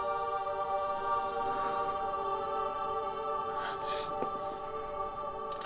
あっ。